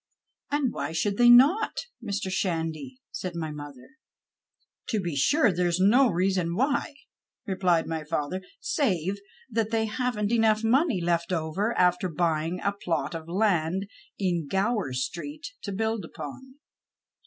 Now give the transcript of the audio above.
" And why should they not, Mr. Shandy ?" said my mother. " To be sure, there's no reason why," replied my father, " save that they haven't enough money left over after buying a plot of land in Gowcr Street to build upon."